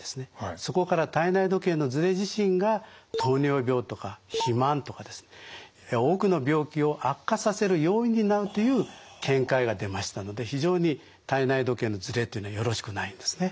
そこから体内時計のズレ自身が糖尿病とか肥満とか多くの病気を悪化させる要因になるという見解が出ましたので非常に体内時計のズレというのはよろしくないんですね。